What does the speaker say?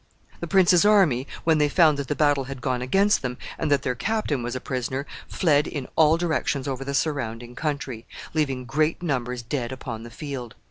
The prince's army, when they found that the battle had gone against them, and that their captain was a prisoner, fled in all directions over the surrounding country, leaving great numbers dead upon the field.